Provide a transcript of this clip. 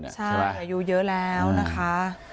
ใช่อายุเยอะแล้วนะคะ